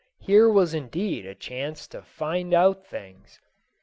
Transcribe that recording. Here was indeed a chance to find out things!